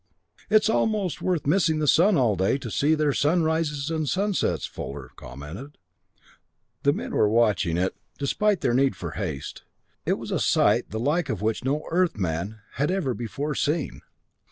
"It's almost worth missing the sun all day to see their sunrises and sunsets," Fuller commented. The men were watching it, despite their need for haste. It was a sight the like of which no Earthman had ever before seen.